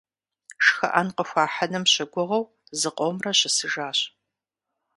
ШхыӀэн къыхуахьыным щыгугъыу зыкъомрэ щысыжащ.